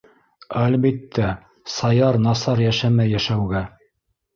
Әлбиттә, Саяр насар йәшәмәй йәшәүгә.